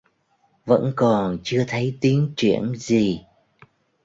Vẫn còn chưa thấy tiến triển gì